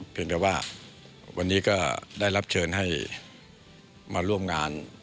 แต่ว่าวันนี้ก็ได้รับเชิญให้มาร่วมงาน